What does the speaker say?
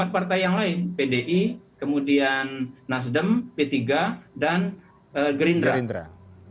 empat partai yang lain pdi kemudian nasdem p tiga dan gerindra